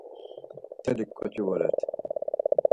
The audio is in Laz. Mtelik ǩoçi voret.